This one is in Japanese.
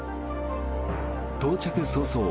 到着早々